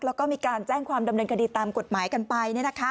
แล้วก็มีการแจ้งความดำเนินคดีตามกฎหมายกันไป